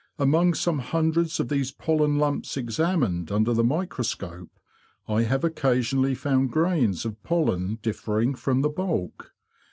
Among some hundreds of these pollen lumps examined under the microscope I have occasionally found grains of pollen differing from the bulk.